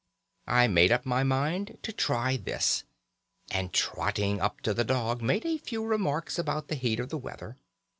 I made up my mind to try this, and trotting up to the dog made a few remarks about the heat of the weather.